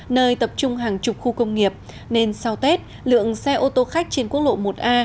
nơi tập trung hàng chục khu công nghiệp nên sau tết lượng xe ô tô khách trên quốc lộ một a